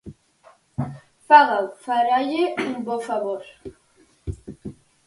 Fágao; faralle un bo favor.